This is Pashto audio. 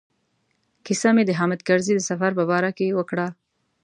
کیسه مې د حامد کرزي د سفر په باره کې وکړه.